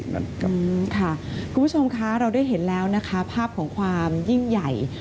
ค่ะคุณผู้ชมคะเราได้เห็นแล้วนะคะภาพของความยิ่งใหญ่